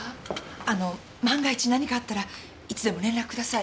あの万が一何かあったらいつでも連絡ください。